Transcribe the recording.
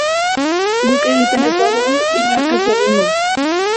Guk egiten ez badugu, inork ez du egingo.